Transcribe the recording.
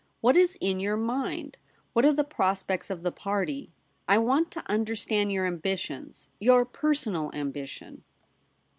' What is in your mind ? What are the prospects of the party ? I want to understand your ambitions — your personal ambition.'